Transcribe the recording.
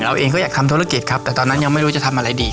เองก็อยากทำธุรกิจครับแต่ตอนนั้นยังไม่รู้จะทำอะไรดี